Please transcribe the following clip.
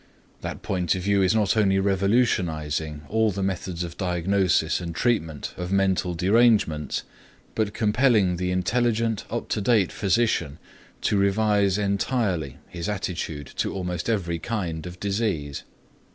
That point of view is not only revolutionising all the methods of diagnosis and treatment of mental derangements, but compelling the intelligent, up to date physician to revise entirely his attitude to almost every kind of disease.